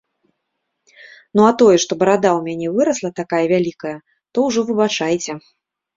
Ну, а тое, што барада ў мяне вырасла такая вялікая, то ўжо выбачайце!